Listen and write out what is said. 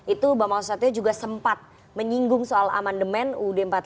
itu bama susatyo juga sempat menyinggung soal aman demen uud empat puluh lima